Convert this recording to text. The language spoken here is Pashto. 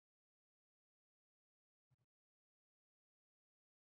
د دوو هډوکو سپين سرونه د پلو په منځ کښې ښکارېدل.